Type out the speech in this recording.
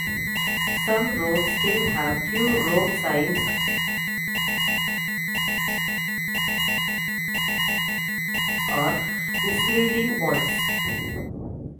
Some roads still have few road signs or misleading ones.